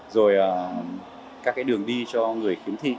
rồi các đường đi cho người khiếm thị